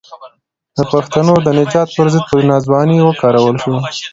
د پښتنو د نجات پر ضد په ناځوانۍ وکارول شو.